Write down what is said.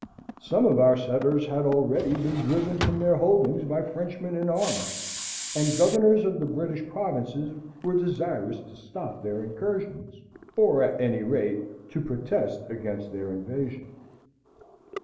Some of our settlers had already been driven from their holdings by Frenchmen in arms, and the governors of the British provinces were desirous to stop their incursions, or at any rate to protest against their invasion.